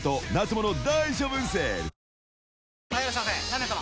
何名様？